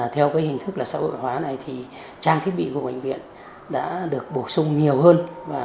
theo hình thức là xã hội hóa này thì trang thiết bị của bệnh viện đã được bổ sung nhiều hơn